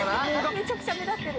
めちゃくちゃ目立ってる。